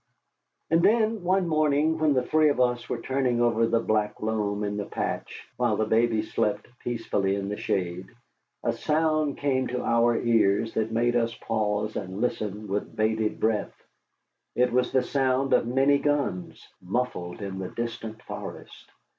And then, one morning when the three of us were turning over the black loam in the patch, while the baby slept peacefully in the shade, a sound came to our ears that made us pause and listen with bated breath. It was the sound of many guns, muffled in the distant forest.